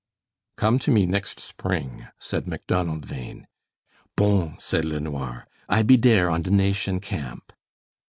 "Come to me next spring," said Macdonald Bhain. "Bon!" said LeNoir. "I be dere on de Nation camp."